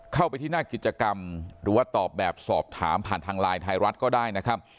เข้าไปที่หน้ากิจกรรมหรือว่าตอบแบบสอบถามผ่านทางไลน์ไทยรัฐก็ได้นะครับ